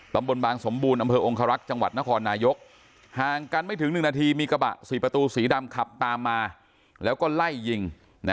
บางสมบูรณ์อำเภอองคารักษ์จังหวัดนครนายกห่างกันไม่ถึง๑นาทีมีกระบะ๔ประตูสีดำขับตามมาแล้วก็ไล่ยิง